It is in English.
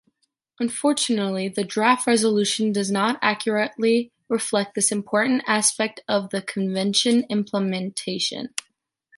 Unfortunately, the draft resolution does not accurately reflect this important aspect of the Convention implementation.